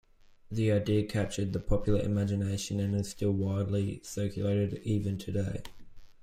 The idea captured the popular imagination and is still widely circulated even today.